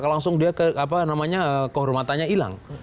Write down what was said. langsung dia ke apa namanya kehormatannya hilang